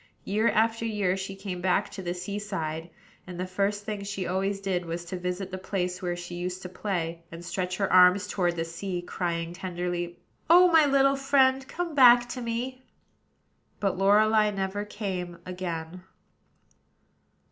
Year after year she came back to the sea side; and the first thing she always did was to visit the place where she used to play, and stretch her arms toward the sea, crying tenderly: "O my little friend! come back to me!" But Lorelei never came again.